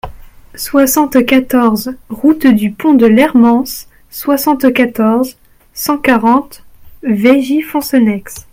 soixante-quatorze route du Pont de l'Hermance, soixante-quatorze, cent quarante, Veigy-Foncenex